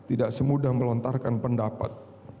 tidak semudah melontarkan pendapat